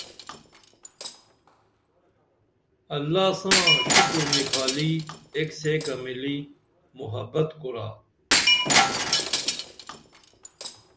اللہ ساں شُکر نِکھالی ایک سیکہ مِلی محبت کُرا